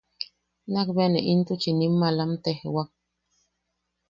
Nak bea ne intuchi ne in malam tejwak.